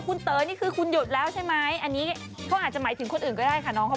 ตอนนี้เรียกว่าเป็นแบบตำแหน่งเจ้าแม่พรีเซนเตอร์กันเลยทีเดียวนะคะ